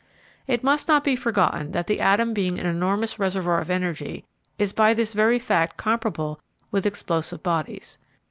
It must not be forgotten that the atom being an enormous reservoir of energy is by this very fact comparable with explosive bodies.